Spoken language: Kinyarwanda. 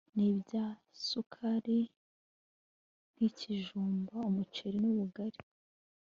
n' ibinyasukari nk'ibijumba, umuceri n'ubugari